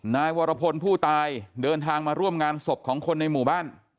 นายวรพลผู้ตายเดินทางมาร่วมงานศพของคนในหมู่บ้าน